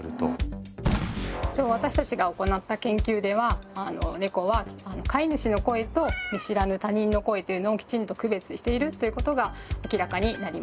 私たちが行った研究ではネコは飼い主の声と見知らぬ他人の声というのをきちんと区別しているということが明らかになりました。